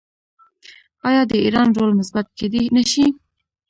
آیا د ایران رول مثبت کیدی نشي؟